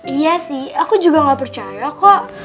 iya sih aku juga gak percaya kok